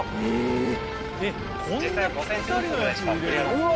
うわ。